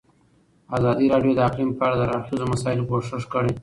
ازادي راډیو د اقلیم په اړه د هر اړخیزو مسایلو پوښښ کړی.